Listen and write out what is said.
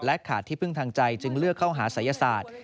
ขาดที่พึ่งทางใจจึงเลือกเข้าหาศัยศาสตร์